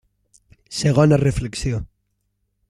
Segona reflexió.